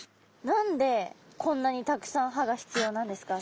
何でこんなにたくさん歯が必要なんですか？